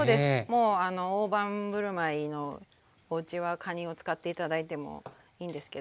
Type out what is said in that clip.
もう大盤振る舞いのおうちはかにを使って頂いてもいいんですけど。